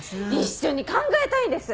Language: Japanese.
一緒に考えたいんです！